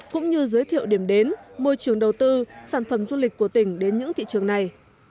cũng như giới thiệu điểm đến môi trường đầu tư sản phẩm du lịch của tỉnh đến những thị trường này